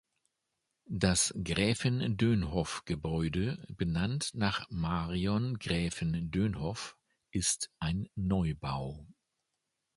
Das Gräfin-Dönhoff-Gebäude, benannt nach Marion Gräfin Dönhoff, ist ein Neubau.